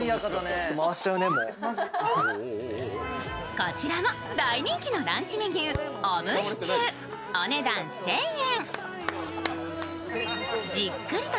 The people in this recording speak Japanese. こちらも大人気のランチメニューオムシチューお値段１０００円。